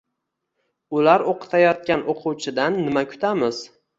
Ular o‘qitayotgan o‘quvchidan nima kutamiz?